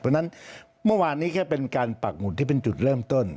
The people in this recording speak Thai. เพราะฉะนั้นเมื่อวานนี้แค่เป็นการปักหมุดที่เป็นจุดเริ่มต้น